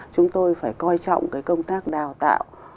chúng tôi phải coi trọng cái công tác đào tạo